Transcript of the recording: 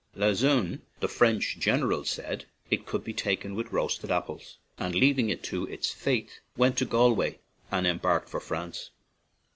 Lauzun, the French general, said "it could be taken with roasted apples/' and leaving it to its fate, went to Galway and embarked for France.